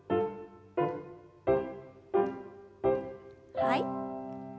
はい。